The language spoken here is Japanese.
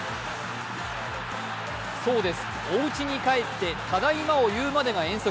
そうです、おうちに帰って「ただいま」を言うまでが遠足。